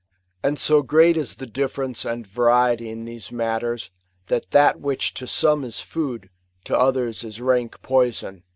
And so great is the differ ence and variety in these matters, that that which to some is food, to others is rank poison.